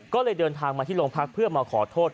ก็เลยเดินทางมาที่โรงพักเพื่อมาขอโทษ